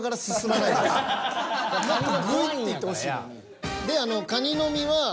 もっとぐいっていってほしいのに。